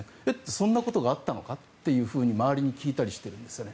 そんなことがあったのか？と周りに聞いたりしてるんですね。